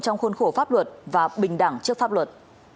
trong khuôn khổ pháp luật và bình đẳng trước pháp luật